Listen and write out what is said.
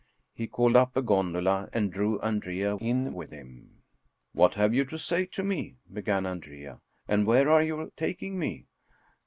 He called up a gondola and drew Andrea in with him. " What have you to say to me?" began Andrea, " and where are you taking me